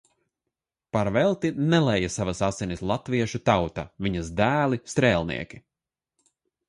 Par velti nelēja savas asinis latviešu tauta, viņas dēli strēlnieki.